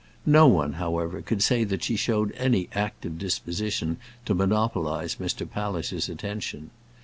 No one, however, could say that she showed any active disposition to monopolize Mr. Palliser's attention.